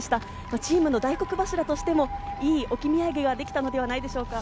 チームの大黒柱として、いい置き土産ができたのではないですか？